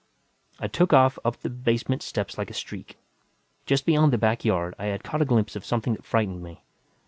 I took off up the basement steps like a streak. Just beyond the back yard, I had caught a glimpse of something that frightened me.